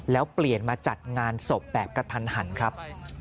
แล้วเปลี่ยนมาจัดงานศพแบบกระทันหันครับ